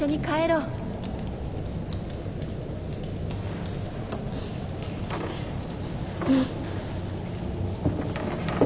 うん。